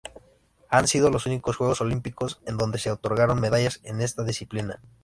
Han sido los únicos Juegos Olímpicos en donde se otorgaron medallas en esta disciplina.